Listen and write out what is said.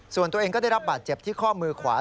ส่วนตัวเองก็ได้รับบาดเจ็บที่ข้อมือขวา